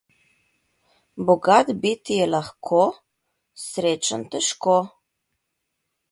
Bogat biti je lahko, srečen - težko.